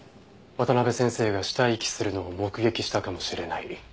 渡辺先生が死体遺棄するのを目撃したかもしれない。